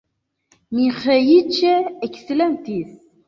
Miĥeiĉ eksilentis.